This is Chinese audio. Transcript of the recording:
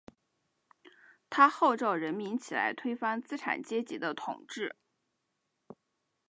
他号召人民起来推翻资产阶级的统治。